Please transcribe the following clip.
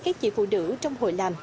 các chị phụ nữ trong hội làm